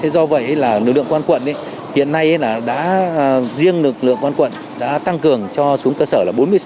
do vậy lực lượng công an quận hiện nay riêng lực lượng công an quận đã tăng cường cho xuống cơ sở bốn mươi sáu bảy